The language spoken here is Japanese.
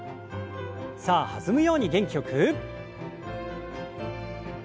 さあ弾むように元気よく。